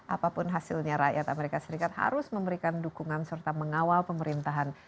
apapun hasilnya rakyat amerika serikat harus memberikan dukungan serta mengawal pemerintahan